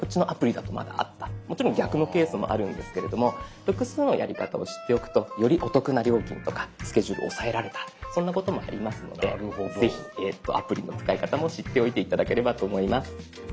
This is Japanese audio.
もちろん逆のケースもあるんですけれども複数のやり方を知っておくとよりお得な料金とかスケジュール押さえられたそんなこともありますのでぜひアプリの使い方も知っておいて頂ければと思います。